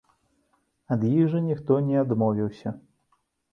Ад іх жа ніхто не адмовіўся.